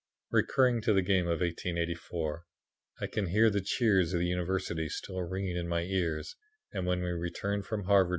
"Recurring to the game of 1884 I can hear the cheers of the University still ringing in my ears when we returned from Harvard.